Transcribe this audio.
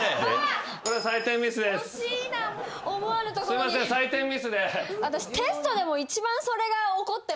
すいません採点ミスで。